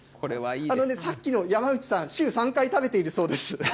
さっきの山内さん、週３回食べているそうです。